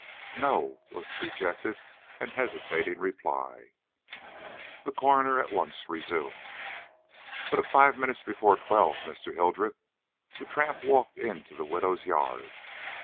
"No," was the dejected and hesitating reply. The coroner at once resumed: "But at five minutes before twelve, Mr. Hildreth, the tramp walked into the widow's yard.